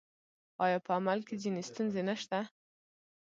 آیا په عمل کې ځینې ستونزې نشته؟